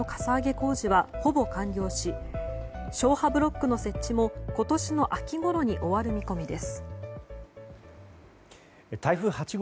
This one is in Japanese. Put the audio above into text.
工事はほぼ完了し消波ブロックの設置も今年の秋ごろに終わる見込みです。